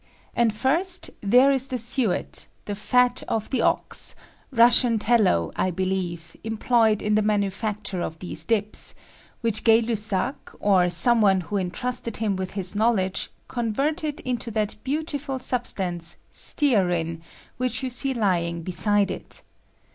And, firet, there is the suet — the fat of the ox — Eussian tallow, I believe, employed in the manufacture of these dips, which Gay Lussao, or some cue who intrusted him with his knowledge, converted into that beantifiil substance, stearin, which you see ly ing beside it.